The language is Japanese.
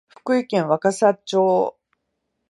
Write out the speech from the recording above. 福井県若狭町